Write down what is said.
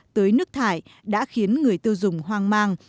tới nước thải đã khiến người tiêu dùng hoang mang